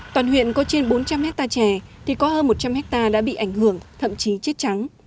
toàn huyện có trên bốn trăm linh hectare chè thì có hơn một trăm linh hectare đã bị ảnh hưởng thậm chí chết trắng